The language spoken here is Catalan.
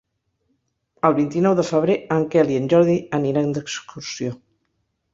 El vint-i-nou de febrer en Quel i en Jordi aniran d'excursió.